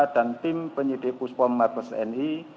dan tim penyidik puspon mabes tni